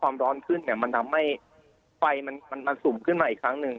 มันทำให้ไฟมันสุ่มขึ้นมาอีกครั้งหนึ่ง